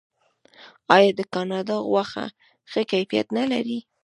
آیا د کاناډا غوښه ښه کیفیت نلري؟